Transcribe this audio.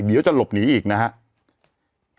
เดี๋ยวจะหลบหนีอีกนะครับ